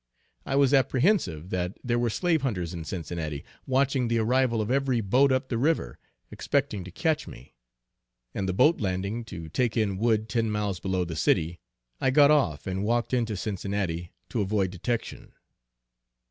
I was apprehensive that there were slave hunters in Cincinnati, watching the arrival of every boat up the river, expecting to catch me; and the boat landing to take in wood ten miles below the city, I got off and walked into Cincinnati, to avoid detection.